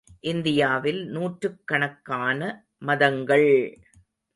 இந்தியாவில் நூற்றுக் கணக்கான மதங்கள்!